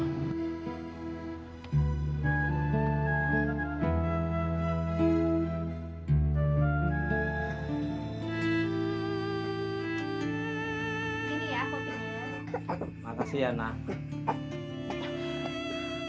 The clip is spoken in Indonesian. terima kasih anak